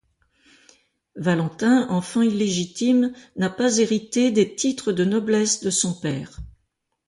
Valentin, enfant illégitime, n'a pas hérité des titres de noblesse de son père.